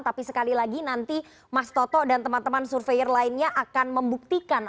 tapi sekali lagi nanti mas toto dan teman teman survei lainnya akan membuktikan